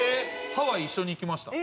ハワイ一緒に行きました。